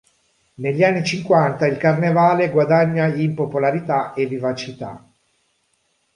Negli anni cinquanta il carnevale guadagna in popolarità e vivacità.